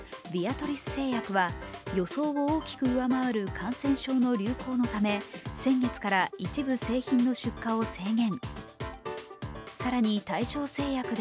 トリス製薬は予想を大きく上回る感染症の流行のため先月から一部製品の出荷を制限。